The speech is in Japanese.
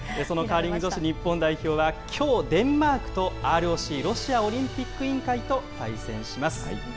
そのカーリング女子日本代表はきょう、デンマークとＲＯＣ・ロシアオリンピック委員会と対戦します。